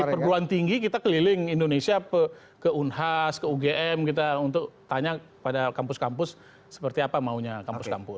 di perguruan tinggi kita keliling indonesia ke unhas ke ugm kita untuk tanya pada kampus kampus seperti apa maunya kampus kampus